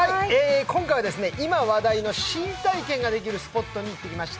今回は今、話題の新体験ができるスポットに行ってきました。